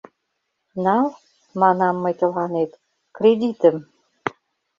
Нал, манам мый тыланет, кредитым!